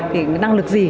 thì cái năng lực gì